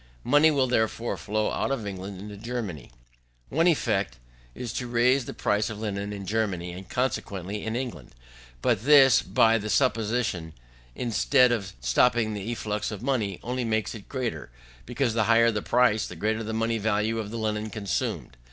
Money will, therefore, flow out of England into Germany. One effect is to raise the price of linen in Germany, and, consequently, in England. But this, by the supposition, instead of stopping the efflux of money, only makes it greater, because the higher the price, the greater the money value of the linen consumed.